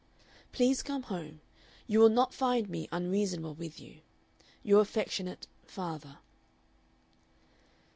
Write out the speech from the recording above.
"Please come home. You will not find me unreasonable with you. "Your affectionate "FATHER."